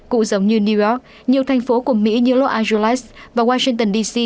cụ giống như new york nhiều thành phố của mỹ như los angeles và washington d c